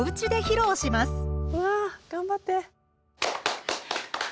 うわ頑張って！